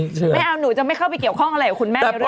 ไม่เอาหนูจะไม่เข้าไปเกี่ยวข้องอะไรกับคุณแม่